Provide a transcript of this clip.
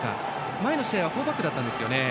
前の試合はフォーバックだったんですよね。